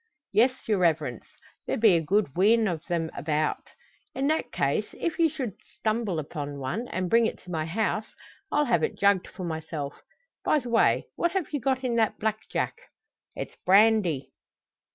"Yes, your Reverence. There be a good wheen o' them about." "In that case, if you should stumble upon one, and bring it to my house, I'll have it jugged for myself. By the way, what have you got in that black jack?" "It's brandy."